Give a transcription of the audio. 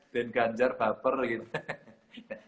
bikin ganjar baper gitu